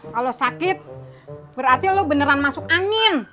kalau sakit berarti lo beneran masuk angin